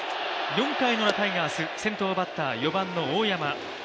４回ウラ、タイガース、先頭バッター、４番の大山。